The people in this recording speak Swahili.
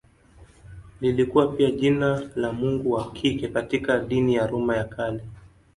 Lilikuwa pia jina la mungu wa kike katika dini ya Roma ya Kale.